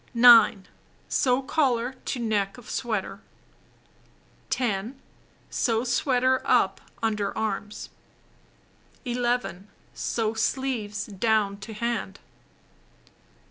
9. Sew collar to neck of sweater. 10. Sew sweater up under arms. 11. Sew sleeves down to hand.